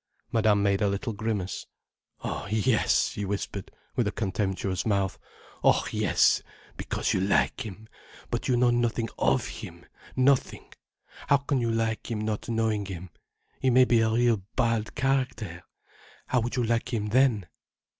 Madame made a little grimace. "Oh yes!" she whispered, with a contemptuous mouth. "Oh yes!—because you like him! But you know nothing of him—nothing. How can you like him, not knowing him? He may be a real bad character. How would you like him then?"